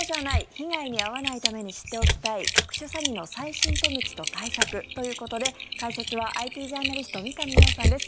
被害に遭わないために知っておきたい特殊詐欺の最新手口と対策ということで解説はＩＴジャーナリスト三上洋さんです。